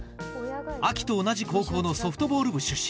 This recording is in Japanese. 亜季と同じ高校のソフトボール部出身